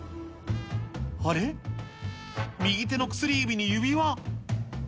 あれ、右手の薬指に指輪！